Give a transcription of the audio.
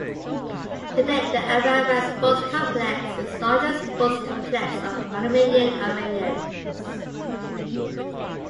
Today the Ararat Sports Complex is the largest sports complex of Armenian Iranians.